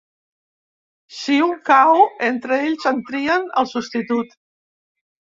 Si un cau, entre ells en trien el substitut.